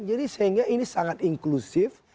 jadi sehingga ini sangat inklusif